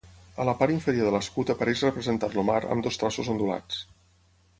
A la part inferior de l'escut apareix representat el mar amb dos traços ondulats.